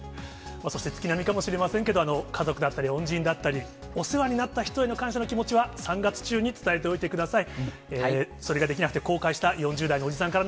そして月並みかもしれませんけれども、家族だったり恩人だったり、お世話になった人への感謝の気持ちは、３月中に伝えておいてください。